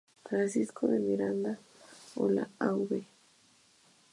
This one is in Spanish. Francisco de Miranda o la Av.